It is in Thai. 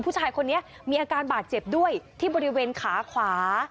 ผู้ชายคนนี้มีอาการบาดเจ็บด้วยที่บริเวณขาขวา